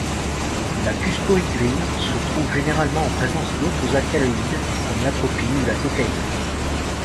La cuscohygrine se trouve généralement en présence d'autres alcaloïdes, comme l'atropine ou la cocaïne.